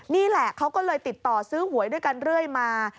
นี่แหละเขาก็เลยติดต่อซื้อหวยด้วยกันเรื่อยมา